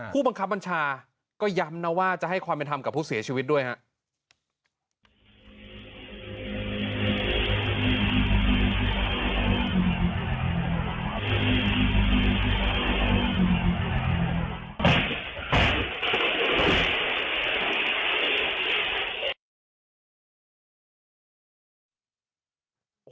ผู้บังคับบัญชาก็ย้ำนะว่าจะให้ความเป็นธรรมกับผู้เสียชีวิตด้วยครับ